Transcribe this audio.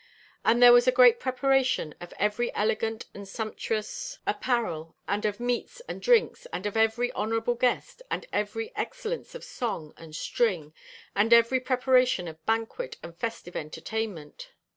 And there was a great preparation of every elegant and sumptuous apparel, and of meats and drinks, and of every honourable guest, and every excellence of song and string, and every preparation of banquet and festive entertainment.'